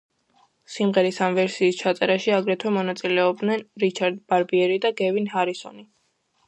სიმღერის ამ ვერსიის ჩაწერაში აგრეთვე მონაწილეობდნენ რიჩარდ ბარბიერი და გევინ ჰარისონი.